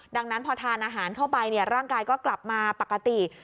ดังนั้นพอทานอาหารเข้าไปร่างกายก็กลับมาปกติ